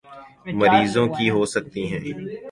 مریضوں کی ہو سکتی ہیں